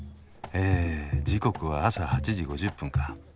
え時刻は朝８時５０分か。